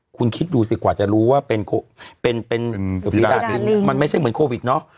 คุณคิดดูสิกว่าจะรู้ว่าเป็นฝีดาดลินมันไม่ใช่เหมือนโควิดเนาะ